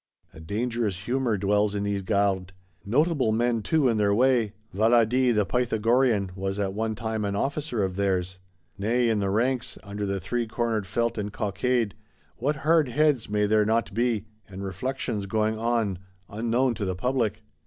A dangerous humour dwells in these Gardes. Notable men too, in their way! Valadi the Pythagorean was, at one time, an officer of theirs. Nay, in the ranks, under the three cornered felt and cockade, what hard heads may there not be, and reflections going on,—unknown to the public!